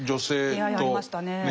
出会いありましたね。